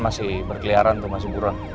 masih berkeliaran masih burun